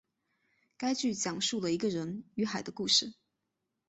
该剧讲述了一个人与海的故事。